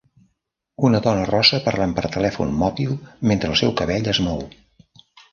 Una dona rossa parlant per telèfon mòbil mentre el seu cabell es mou